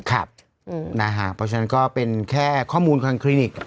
เพราะฉะนั้นก็เป็นแค่ข้อมูลคอนคลินิก